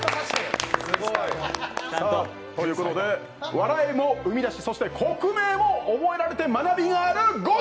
笑いも生み出し、そして国名も覚えられて、学びがあるゴー☆